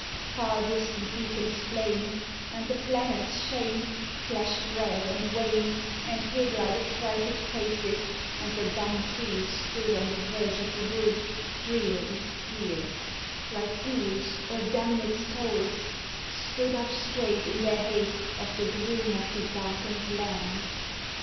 Far distant beacons flamed, And the planets shamed, Flashed red and waned And hid like affrighted faces, And the dumb trees stood On the verge of the wood Drear with fear ; Like ghouls or damned souls, — Stood up straight in their hate Of the gloom of the darkened land.